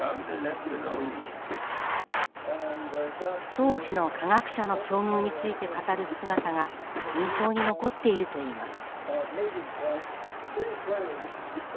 当時の科学者の境遇について語る姿が印象に残っているといいます。